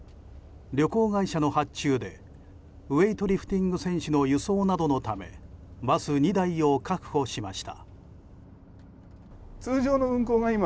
旅行会社の発注でウエイトリフティング選手の輸送などのためバス２台を確保しました。